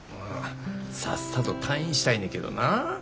さっさと退院したいねけどな。